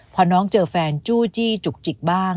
พอน้องเจอแฟนจู้จี้จุกจิกบ้าง